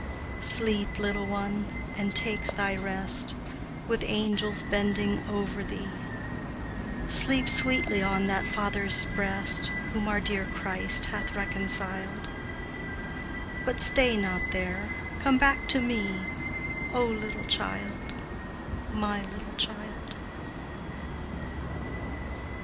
Sleep, little one, and take thy rest, With angels bending over thee, Sleep sweetly on that Father's breast Whom our dear Christ hath reconciled; But stay not there, come back to me, O little child, my little child!